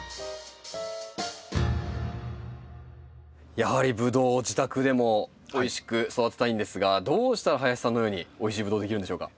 やはりブドウを自宅でもおいしく育てたいんですがどうしたら林さんのようにおいしいブドウ出来るんでしょうか？